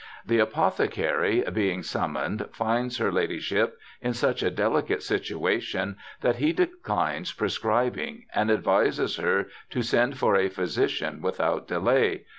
'The apothecary being summoned, finds her lad3^ship in such a delicate situa tion that he declines prescribing, and advises her to send for a physician without delay.